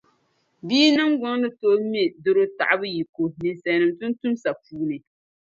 Bia niŋgbuŋ ni tooi mɛ doro taɣibu yiko ninsalnim tuuntumsa puuni.